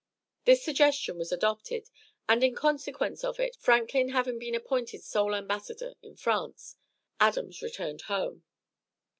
This suggestion was adopted, and in consequence of it, Franklin having been appointed sole embassador in France, Adams returned home.